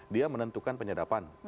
dia menentukan penyedapan